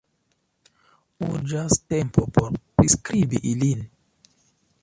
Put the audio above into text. Urĝas tempo por priskribi ilin.